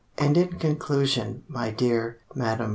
And in conclusion, my dear Mme.